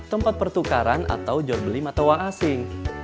tempat pertukaran atau jual beli mata uang asing